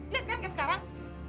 lihat kan kayak sekarang